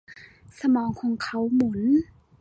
สมองของเขาหมุน